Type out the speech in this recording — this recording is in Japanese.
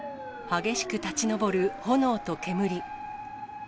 激しく立ち上る炎と煙。